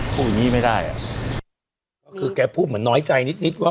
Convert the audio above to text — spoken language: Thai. อย่างงี้ไม่ได้อ่ะก็คือแกพูดเหมือนน้อยใจนิดนิดว่า